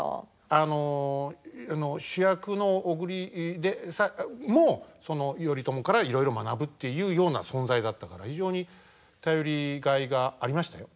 あの主役の小栗もその頼朝からいろいろ学ぶっていうような存在だったから非常に頼りがいがありましたよ。